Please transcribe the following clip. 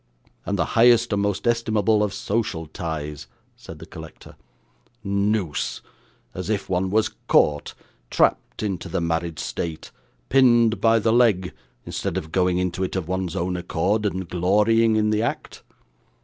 'And the highest and most estimable of social ties,' said the collector. 'Noose! As if one was caught, trapped into the married state, pinned by the leg, instead of going into it of one's own accord and glorying in the act!